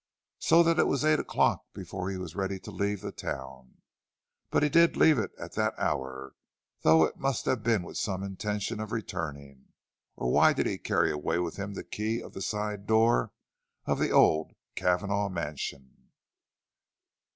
So that it was eight o'clock before he was ready to leave the town. But he did leave it at that hour, though it must have been with some intention of returning, or why did he carry away with him the key of the side door of the old Cavanagh mansion?